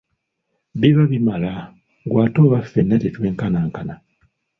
Biba bimala, ggwe ate oba ffenna tetwenkanankana.